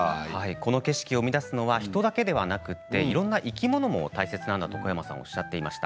この景色を生み出すのは人だけではなくいろんな生き物も大切なんだと小山さんはおっしゃっていました。